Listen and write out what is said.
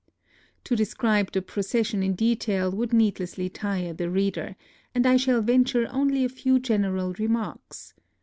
To describe the procession in detail would needlessly tire the reader ; and I shall venture only a few general remarks.